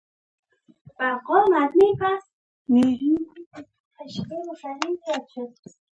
د مسجد ظاهري ښکلا مهمه نه ده.